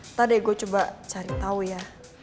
entah deh gue coba cari tau ya